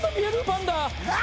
パンダ。